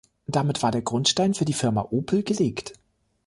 Damit war der Grundstein für die Firma Opel gelegt.